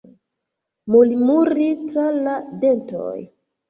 Murmuri tra la dentoj.